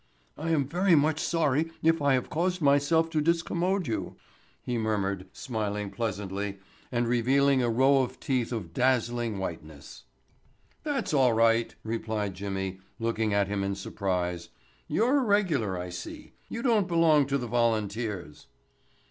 "I am very much sorry if I have caused myself to discommode you," he murmured, smiling pleasantly and revealing a row of teeth of dazzling whiteness. "That's all right," replied Jimmy, looking at him in surprise. "You're a regular, I see. You don't belong to the volunteers."